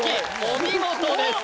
お見事です